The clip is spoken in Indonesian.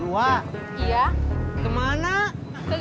rua iya kemana sudah sepuluh ayo